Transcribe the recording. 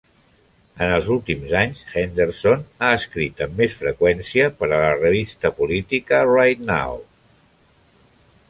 En els últims anys, Henderson ha escrit amb més freqüència per a la revista política "Right Now!".